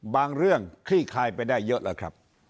บางเรื่องคลี่คลายไปได้เยอะแล้วครับ